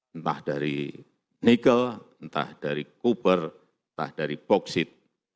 entah dari nikel entah dari kuber entah dari boksit